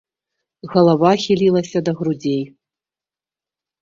Галава хілілася да грудзей.